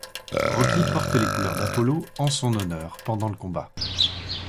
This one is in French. Rocky porte les couleurs d'Apollo en son honneur pendant le combat.